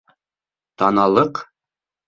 «Таналыҡ»?